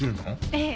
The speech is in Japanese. ええ。